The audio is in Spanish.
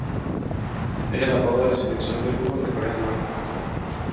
Es el apodo de la Selección de fútbol de Corea del Norte.